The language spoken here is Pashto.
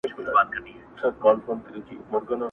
رنګ په رنګ به یې راوړله دلیلونه.!